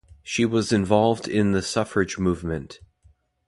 She was involved in the suffrage movement.